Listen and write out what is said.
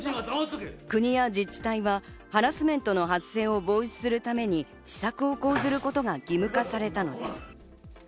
国や自治体はハラスメントの発生を防止するために施策を講ずることが義務化されたのです。